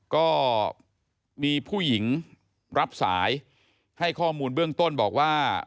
ก็มีผู้หญิงรับสายให้ข้อมูลเบื้องต้นบอกว่า